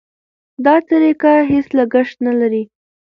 دا طریقه هېڅ لګښت نه لري.